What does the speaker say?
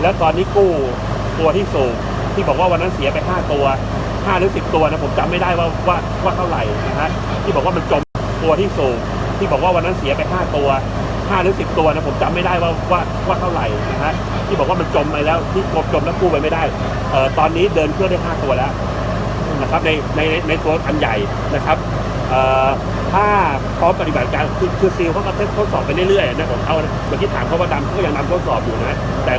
และตอนนี้กู้ตัวที่สูงที่บอกว่าวันนั้นเสียไป๕ตัว๕หรือ๑๐ตัวนะผมจำไม่ได้ว่าว่าว่าเท่าไหร่นะฮะที่บอกว่ามันจมตัวที่สูงที่บอกว่าวันนั้นเสียไป๕ตัว๕หรือ๑๐ตัวนะผมจำไม่ได้ว่าว่าว่าเท่าไหร่นะฮะที่บอกว่ามันจมไปแล้วที่กบจมแล้วกู้ไปไม่ได้ตอนนี้เดินเครื่องได้๕ตัวแล้วนะครับในในในในตั